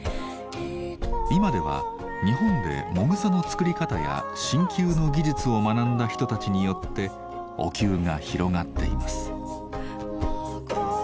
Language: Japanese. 今では日本でもぐさの作り方や鍼灸の技術を学んだ人たちによってお灸が広がっています。